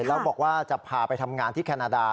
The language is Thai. แล้วบอกว่าจะพาไปทำงานที่แคนาดา